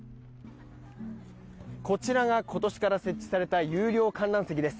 こちらが今年から設置された有料観覧席です。